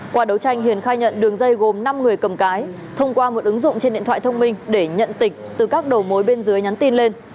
qua đấu tranh hiền khai nhận đường dây gồm năm người cầm cái thông qua một ứng dụng trên điện thoại thông minh để nhận tịch từ các đầu mối bên dưới nhắn tin lên